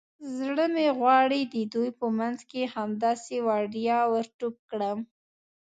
زړه مې غواړي د دوی په منځ کې همداسې وړیا ور ټوپ کړم.